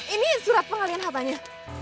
ini surat pengalihan hartanya